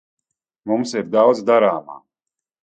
Mums ir daudz darāmā.